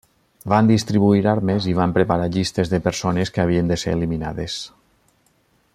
Van distribuir armes i van preparar llistes de persones que havien de ser eliminades.